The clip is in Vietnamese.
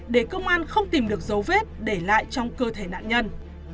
để công an không tìm được dấu vết để lại trong cơ thể nạn nhân